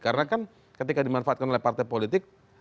karena kan ketika dimanfaatkan oleh partai politik